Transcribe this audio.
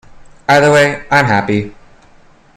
Either way, I’m happy.